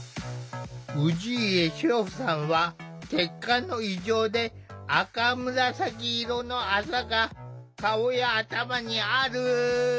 氏家志穂さんは血管の異常で赤紫色のあざが顔や頭にある。